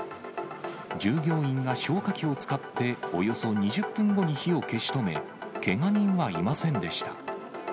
従業員が消火器を使っておよそ２０分後に火を消し止め、けが人はいませんでした。